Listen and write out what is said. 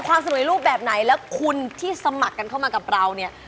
ความสนุนในรูปแบบไหนและคุณที่สมัครกันเข้ามากับเราเนี่ย